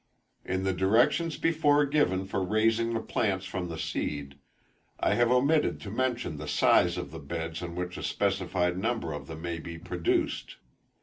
In the directions before given for raising the plants from the seed, I have omitted to mention the size of the beds on which a specified number of them may be produced.